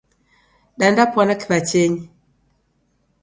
Daendapwana kiw'achenyi.